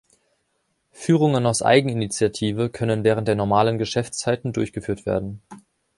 Führungen aus Eigeninitiative können während der normalen Geschäftszeiten durchgeführt werden.